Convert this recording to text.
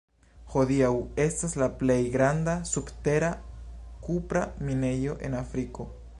Hodiaŭ estas la plej granda subtera kupra minejo en Afriko.